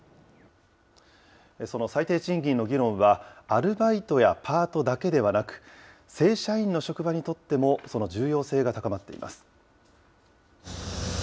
その最低賃金の議論は、アルバイトやパートだけではなく、正社員の職場にとっても、その重要性が高まっています。